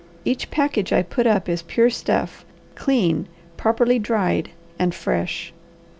Each package I put up is pure stuff, clean, properly dried, and fresh.